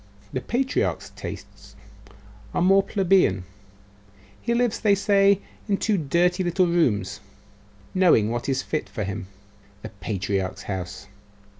'The patriarch's tastes are more plebeian. He lives, they say, in two dirty little rooms knowing what is fit for him. The patriarch's house?